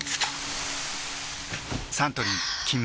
サントリー「金麦」